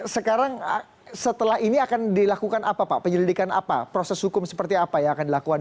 sekarang setelah ini akan dilakukan apa pak penyelidikan apa proses hukum seperti apa yang akan dilakukan